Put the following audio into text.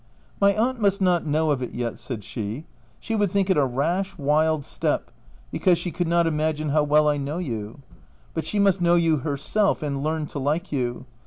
" My aunt must not know of it yet," said she. P She would think it a rash, wild step, because she could not imagine how well I know you ; but she must know you herself, and learn to like you.